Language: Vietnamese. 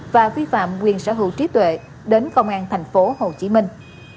và vi phạm quyền sở hữu trí tuệ đến công an thành phố hồ chí minh